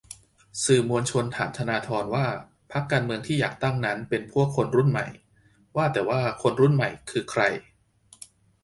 : สื่อมวลชนถามธนาธรว่าพรรคการเมืองที่อยากตั้งนั้นเป็นพวกคนรุ่นใหม่ ว่าแต่ว่า 'คนรุ่นใหม่' คือใคร ?